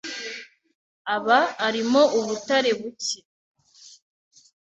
aba arimo ubutare bucye,